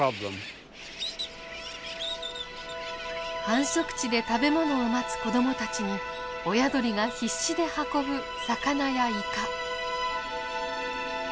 繁殖地で食べ物を待つ子どもたちに親鳥が必死で運ぶ魚やイカ。